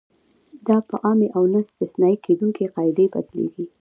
دا په عامې او نه استثنا کېدونکې قاعدې بدلیږي.